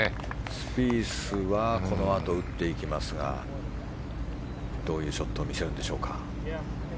スピースはこのあと打っていきますがどういうショットを見せるんでしょうか。